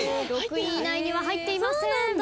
６位以内には入っていません。